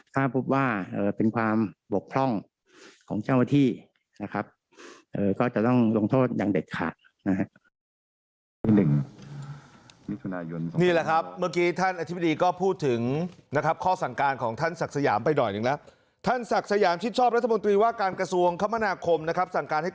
ถ้าพบว่าเป็นความบกพร่องของเจ้าหน้าที่นะครับก็จะต้องลงโทษอย่างเด็ดขาดนะครับ